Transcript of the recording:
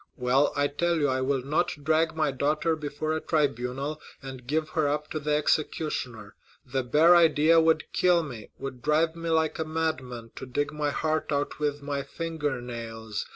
Well, I tell you I will not drag my daughter before a tribunal, and give her up to the executioner! The bare idea would kill me—would drive me like a madman to dig my heart out with my finger nails!